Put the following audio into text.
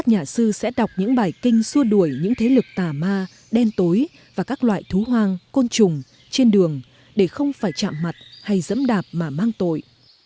nhà sư sẽ đọc những bài kinh xua đuổi những thế lực tà ma đen tối và các loại thú hoang côn trùng trên đường để không phải chạm mặt hay dẫm đạp mà mang tội